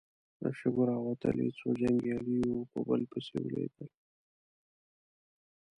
له شګو راوتلې څو جنګيالي يو په بل پسې ولوېدل.